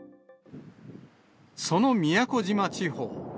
その宮古島地方。